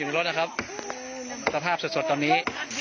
แล้วเจ้าของรถอยู่ไหนครับตรงนี้